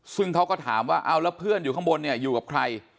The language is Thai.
ซึ่งเขาก็ถามว่าเอาแล้วเพื่อนอยู่ข้างบนเนี่ยอยู่กับใคร